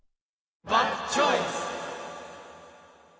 バッドチョイス！